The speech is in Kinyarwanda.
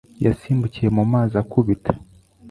Yasimbukiye mu mazi akubita.